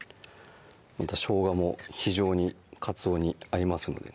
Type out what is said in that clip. しょうがも非常にかつおに合いますのでね